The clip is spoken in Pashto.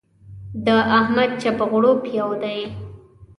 د احمد چپ و غړوپ يو دی.